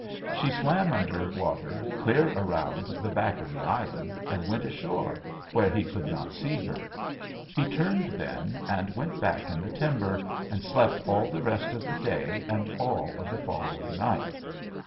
She swam under water clear around back of the island, and went ashore where he could not see her. He turned, then, and went away back in the timber, and slept all the rest of the day and all of the following night.